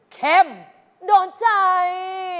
เข้มโดนใจ